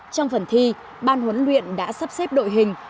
trong phần thi ban huấn luyện đã sắp xếp đội hình